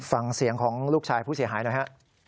ฟังเสียงของลูกชายผู้เสียหายหน่อยฮะ